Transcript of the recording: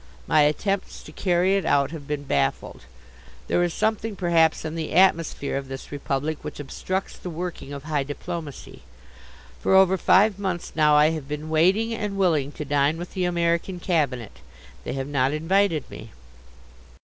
My attempts to carry it out have been baffled. There is something perhaps in the atmosphere of this republic which obstructs the working of high diplomacy. For over five months now I have been waiting and willing to dine with the American Cabinet. They have not invited me.